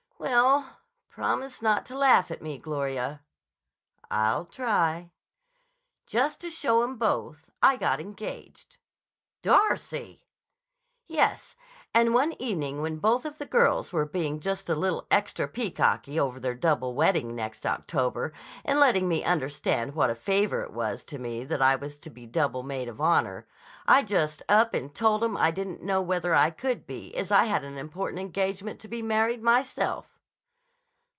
"Well—promise not to laugh at me, Gloria!" "I'll try." "Just to show 'em both, I got engaged." "Darcy!" "Yes; and one evening when both of the girls were being just a little extra peacocky over their double wedding next October and letting me understand what a favor it was to me that I was to be double maid of honor, I just up and told 'em I didn't know whether I could be as I had an important engagement to be married myself."